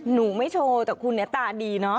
หนูไม่โชว์แต่คุณเนี่ยตาดีเนาะ